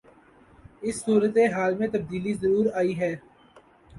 اس صورتحال میں تبدیلی ضرور آئی ہے۔